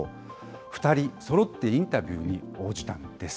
２人そろってインタビューに応じたんです。